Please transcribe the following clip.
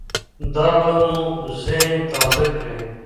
دا به مو ذهن تازه کړي.